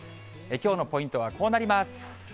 きょうのポイントはこうなります。